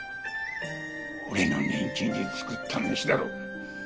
俺の年金で作った飯だろ。